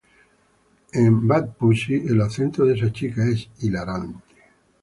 En "Bat Pussy", el acento de esa chica es hilarante".